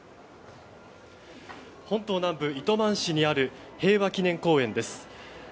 本島南部糸満市にある平和祈念公園です。